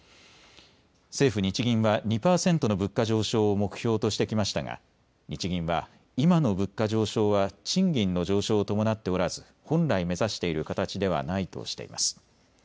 政府・日銀は２％の物価上昇を目標としてきましたが日銀は今の物価上昇は賃金の上昇を伴っておらず本来、目指している形ではないとしています。